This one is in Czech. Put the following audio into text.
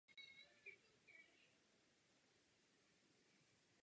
Zbylé tři halové prvky mají možnosti oproti fluoru relativně velké.